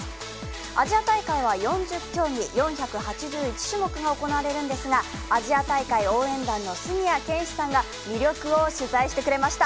アジア大会は４０競技４８１種目が行われるんですがアジア大会応援団の杉谷拳士さんが魅力を取材してくれました。